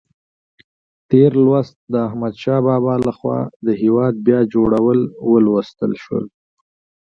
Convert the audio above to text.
تېر لوست د احمدشاه بابا لخوا د هېواد بیا جوړول ولوستل شول.